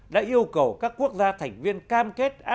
đã yêu cầu các quốc gia thành viên cam kết